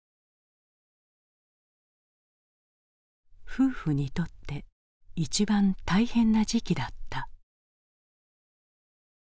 夫婦にとって一番大変な時期だった。